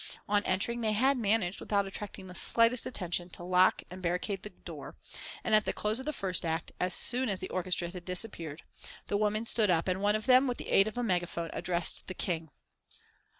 On entering they had managed, without attracting the slightest attention, to lock and barricade the door, and at the close of the first act, as soon as the orchestra had disappeared, the women stood up, and one of them, with the aid of a megaphone, addressed the King.